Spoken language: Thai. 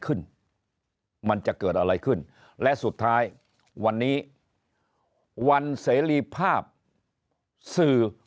มันจะเกิดอะไรขึ้นและสุดท้ายวันนี้วันเสรีภาพสื่อ